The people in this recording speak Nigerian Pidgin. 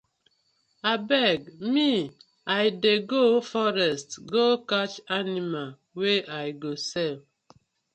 Abeg mi I dey go forest go catch animal wey I go sell.